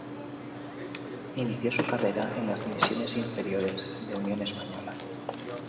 Inició su carrera en las divisiones inferiores de Unión Española.